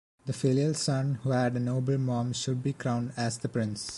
The filial son who had a noble mom should be crowned as the prince.